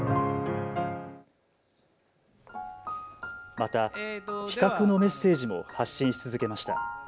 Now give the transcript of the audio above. また非核のメッセージも発信し続けました。